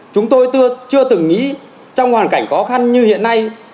chúng tôi chưa từng nghĩ trong hoàn cảnh khó khăn như hiện nay